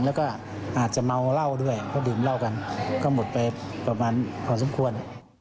แล้วก็อาจจะเมาเหล้าด้วยเพราะดื่มเหล้ากันก็หมดไปประมาณพอสมควร